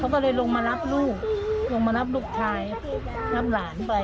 ก็เลยลงมารับลูกลงมารับลูกชายรับหลานไป